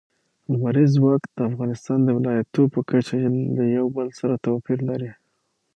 لمریز ځواک د افغانستان د ولایاتو په کچه یو له بل سره توپیر لري.